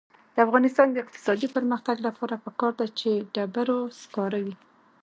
د افغانستان د اقتصادي پرمختګ لپاره پکار ده چې ډبرو سکاره وي.